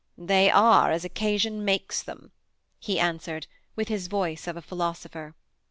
'They are as occasion makes them,' he answered, with his voice of a philosopher.